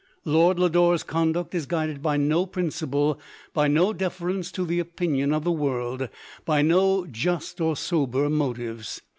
Lord Lodore's conduct is guided by no prin ciple — by no deference to the opinion of the world —by no just or sober motives.